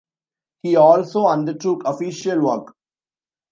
He also undertook official work.